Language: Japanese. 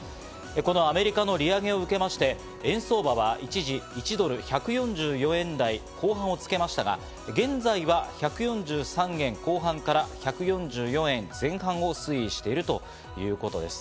このアメリカの利上げを受けまして、円相場は一時、１ドル＝１４４円台後半をつけましたが、現在は１４３円後半から１４４円前半を推移しているということです。